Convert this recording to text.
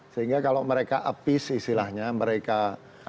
sehingga kalau mereka apis istilahnya mereka apa ya